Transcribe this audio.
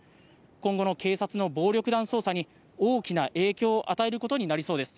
今後の警察の暴力団捜査に、大きな影響を与えることになりそうです。